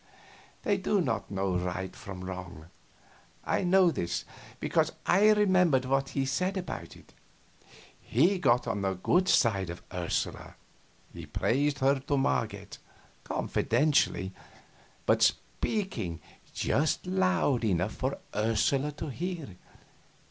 They do not know right from wrong; I knew this, because I remembered what he had said about it. He got on the good side of Ursula. He praised her to Marget, confidentially, but speaking just loud enough for Ursula to hear.